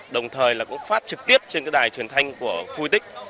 đồng thời cũng phát trực tiếp trên đài truyền thanh của khu duy tích